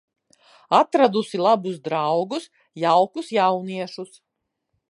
Atradusi labus draugus, jaukus jauniešus.